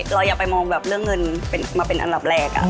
เราอย่าไปมองแบบเรื่องเงินมาเป็นอันดับแรก